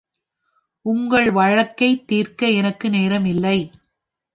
உங்கள் வழக்கைத் தீர்க்க எனக்கு நேரம் இல்லை